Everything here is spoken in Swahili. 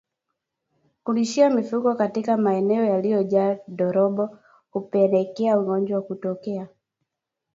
Kulishia mifugo katika maeneo yaliyojaa ndorobo hupelekea ugonjwa kutokea